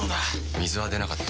水は出なかった。